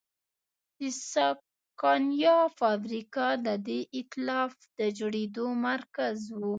د سکانیا فابریکه د دې اېتلاف د جوړېدو مرکز و.